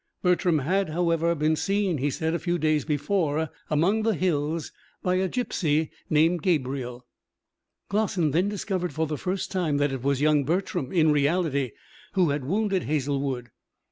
Bertram had, however, been seen, he said, a few days before, among the hills by a gipsy named Gabriel. Glossin then discovered for the first time that it was young Bertram, in reality, who had wounded Hazlewood.